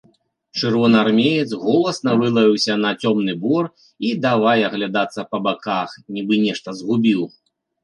Чырвонаармеец голасна вылаяўся на цёмны бор і давай аглядацца па баках, нібы нешта згубіў.